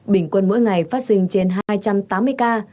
bình quân mỗi ngày phát sinh trên hai trăm tám mươi ca